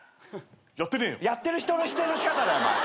やってる人の否定の仕方だ。